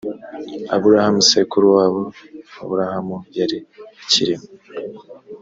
aburahamu sekuru wabo aburahamu yari akiriho